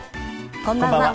こんばんは。